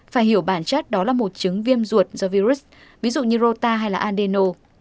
phải hiểu bản chất đó là một chứng viêm ruột do virus ví dụ như rota hay là andeno